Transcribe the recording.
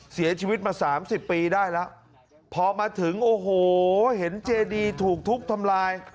เสียชีวิตมาสามสิบปีได้แล้วพอมาถึงโอ้โหเห็นเจดีถูกทุบทำลาย